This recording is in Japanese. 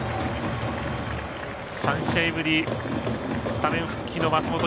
３試合ぶりにスタメン復帰の松本